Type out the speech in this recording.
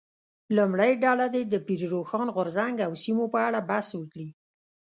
لومړۍ ډله دې د پیر روښان غورځنګ او سیمو په اړه بحث وکړي.